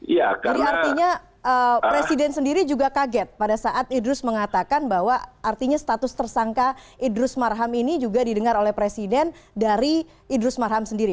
jadi artinya presiden sendiri juga kaget pada saat idrus mengatakan bahwa artinya status tersangka idrus marham ini juga didengar oleh presiden dari idrus marham sendiri